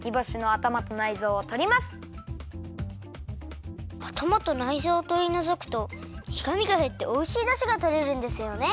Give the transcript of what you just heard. あたまとないぞうをとりのぞくとにがみがへっておいしいだしがとれるんですよね？